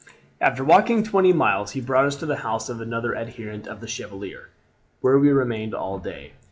"After walking twenty miles he brought us to the house of another adherent of the Chevalier, where we remained all day.